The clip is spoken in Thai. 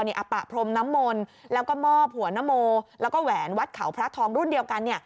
ปะพรมน้ำมนต์แล้วก็มอบหัวนโมแล้วก็แหวนวัดเขาพระทองรุ่นเดียวกัน